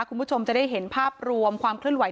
คุณผู้ชมจะได้เห็นภาพรวมความเคลื่อนไห